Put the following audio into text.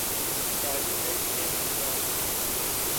کالی مرچ کے نقصا